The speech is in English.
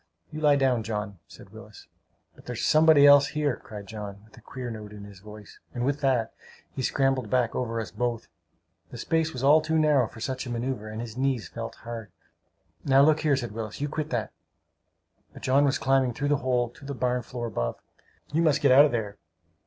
"You lie down, John," said Willis. "But there's somebody else here!" cried John, with a queer note in his voice; and with that, he scrambled back over us both. The space was all too narrow for such a maneuvre, and his knees felt hard. "Now look here," said Willis. "You quit that!" But John was climbing through the hole to the barn floor above. "You must get out of there!"